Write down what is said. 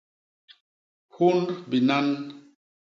Hund binan.